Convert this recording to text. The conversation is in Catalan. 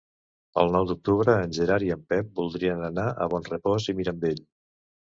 El nou d'octubre en Gerard i en Pep voldrien anar a Bonrepòs i Mirambell.